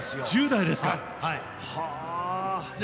１０代ですか。は。